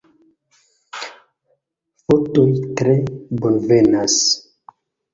Fotoj tre bonvenas.